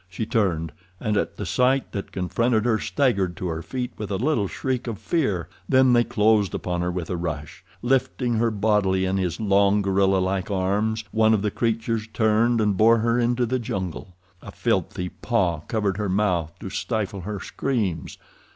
She turned, and at the sight that confronted her staggered to her feet with a little shriek of fear. Then they closed upon her with a rush. Lifting her bodily in his long, gorilla like arms, one of the creatures turned and bore her into the jungle. A filthy paw covered her mouth to stifle her screams.